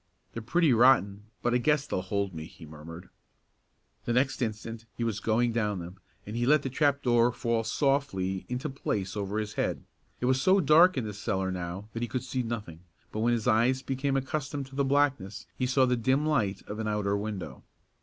"They're pretty rotten, but I guess they'll hold me," he murmured. The next instant he was going down them, and he let the trap door fall softly into place over his head. It was so dark in the cellar now that he could see nothing, but when his eyes became accustomed to the blackness he saw the dim light of an outer window.